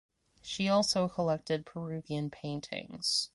She also collected Peruvian paintings.